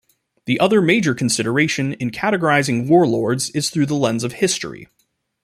The other major consideration in categorizing warlords is through the lens of history.